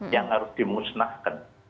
yang harus dimusnahkan